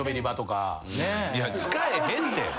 いや使えへんて。